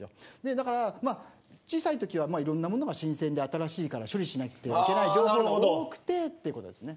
だからまあ小さいときはいろんなものが新鮮で新しいから処理しなくてはいけない情報が多くてってことですね。